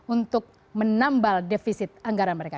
untuk menambal defisit anggaran mereka